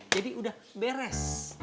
jadi udah beres